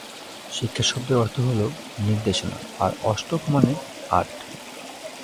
শিক্ষা শব্দের অর্থ হলো 'নির্দেশনা’ আর অষ্টক মানে হচ্ছে 'আট'।